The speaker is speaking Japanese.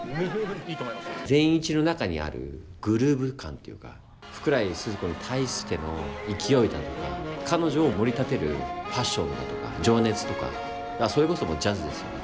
善一の中にあるグルーヴ感というか福来スズ子に対しての勢いだとか彼女をもり立てるパッションだとか情熱とかそれこそジャズですよね